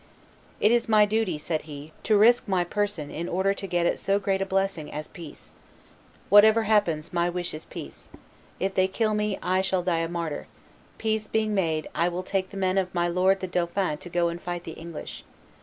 "It is my duty," said he, "to risk my person in order to get at so great a blessing as peace. Whatever happens, my wish is peace. If they kill me, I shall die a martyr. Peace being made, I will take the men of my lord the dauphin to go and fight the English.